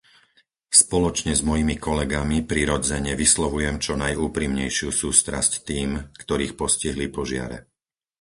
Spoločne s mojimi kolegami prirodzene vyslovujem čo najúprimnejšiu sústrasť tým, ktorých postihli požiare.